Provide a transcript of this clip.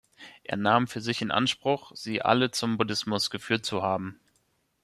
Er nahm für sich in Anspruch, sie alle zum Buddhismus geführt zu haben.